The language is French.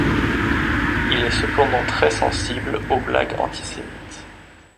Il est cependant très sensible aux blagues antisémites.